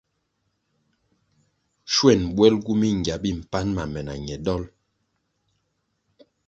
Schwen bwelgu mingya mi mpan ma me na ñe dol.